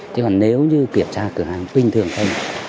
chứ còn nếu như kiểm tra cửa hàng bình thường không